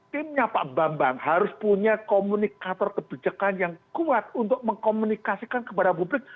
timnya pak bambang harus punya komunikator kebijakan yang kuat untuk mengkomunikasikan kepada publik